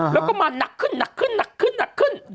แล้วก็มาหนักขึ้น